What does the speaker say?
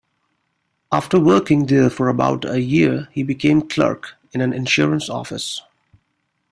After working there for about a year he became clerk in an insurance office.